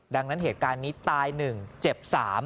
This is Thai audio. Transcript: ดังนั้นเหตุการณ์นี้ตาย๑เจ็บ๓